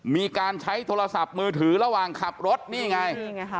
มีการใช้โทรศัพท์มือถือระหว่างขับรถนี่ไงนี่ไงค่ะ